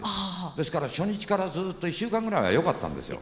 ですから初日からずっと１週間ぐらいはよかったんですよ